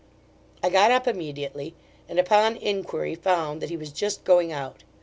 I got up immediately, and upon inquiry found he was just going out.